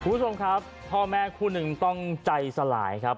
คุณผู้ชมครับพ่อแม่คู่หนึ่งต้องใจสลายครับ